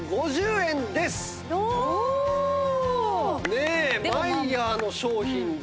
ねえマイヤーの商品で。